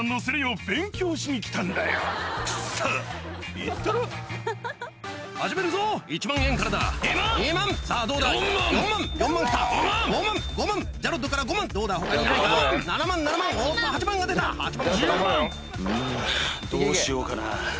うんどうしようかな。